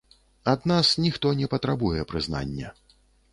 Ад нас ніхто і не патрабуе прызнання.